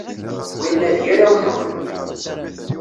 Winna d yir awtul.